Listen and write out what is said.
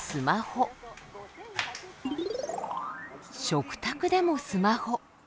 食卓でもスマホ。